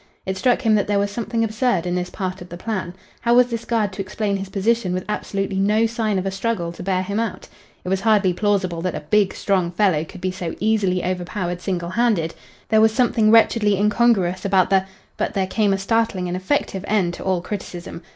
It struck him that there was something absurd in this part of the plan. How was this guard to explain his position with absolutely no sign of a struggle to bear him out? It was hardly plausible that a big, strong fellow could be so easily overpowered single handed; there was something wretchedly incongruous about the but there came a startling and effective end to all criticism.